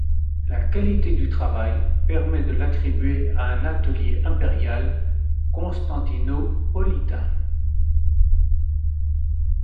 La qualité du travail permet de l'attribuer à un atelier impérial constantinopolitain.